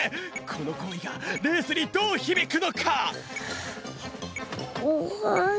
このこういがレースにどうひびくのか？